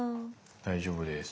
大丈夫です。